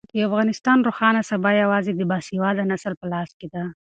د افغانستان روښانه سبا یوازې د باسواده نسل په لاس کې ده.